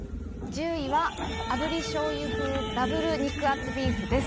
１０位は炙り醤油風ダブル肉厚ビーフです。